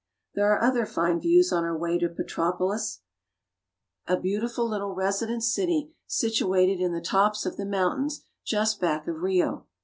There are other fine views on our way to Petropolis, a 282 BRAZIL. beautiful little residence 'city situated in the tops of the mountains just back of Rio.